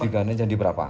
digandain jadi berapa